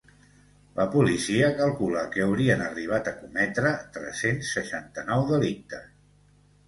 La policia calcula que haurien arribat a cometre tres-cents seixanta-nou delictes.